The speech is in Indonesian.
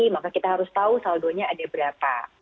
maka kita harus tahu saldonya ada berapa